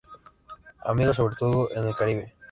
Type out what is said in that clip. Amigo, sobre todo en el Caribe.